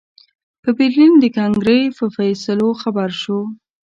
په برلین د کنګرې په فیصلو خبر شو.